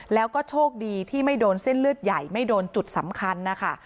แล้วก็โชคดีที่ไม่โดนเส้นเลือดใหญ่ไม่โดนจุดสำคัญนะคะ